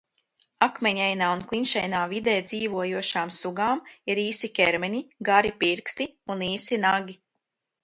Akmeņainā un klinšainā vidē dzīvojošām sugām ir īsi ķermeņi, gari pirksti un īsi nagi.